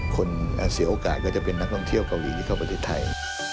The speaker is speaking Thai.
คนเสียโอกาสก็จะเป็นนักท่องเที่ยวเกาหลีที่เข้าประเทศไทย